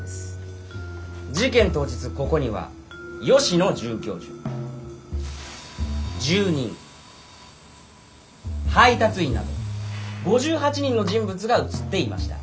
事件当日ここには吉野准教授住人配達員など５８人の人物が写っていました。